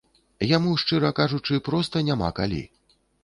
Яму, шчыра кажучы, проста няма калі.